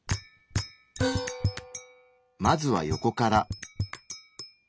まずはヨコから。